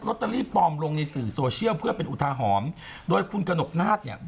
ตเตอรี่ปลอมลงในสื่อโซเชียลเพื่อเป็นอุทาหรณ์โดยคุณกระหนกนาฏเนี่ย